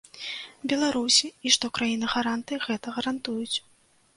Беларусі, і што краіны-гаранты гэта гарантуюць.